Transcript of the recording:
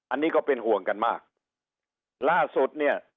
อันนี้ก็เป็นห่วงกันมากล่าสุดเนี่ย